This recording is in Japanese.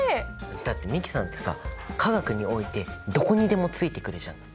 だって美樹さんってさ化学においてどこにでもついてくるじゃん。